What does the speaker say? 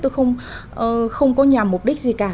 tôi không có nhà mục đích gì cả